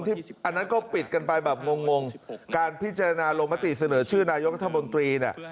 ที่อันนั้นก็ปิดกันไปแบบงงการพิจารณาลงมติเสนอชื่อนายกฎาบนตรี